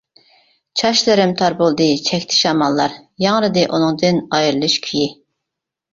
چاچلىرىم تار بولدى چەكتى شاماللار، ياڭرىدى ئۇنىڭدىن ئايرىلىش كۈيى.